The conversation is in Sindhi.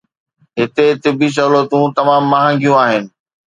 هتي طبي سهولتون تمام مهانگيون آهن